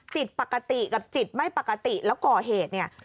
จิตปกติกับจิตไม่ปกติแล้วก่อเหตุเนี่ย